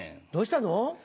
どうしたの？